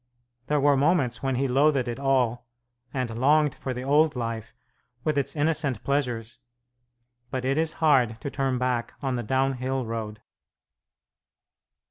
There were moments when he loathed it all, and longed for the old life, with its innocent pleasures; but it is hard to turn back on the downhill road.